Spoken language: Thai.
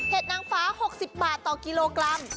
นางฟ้า๖๐บาทต่อกิโลกรัม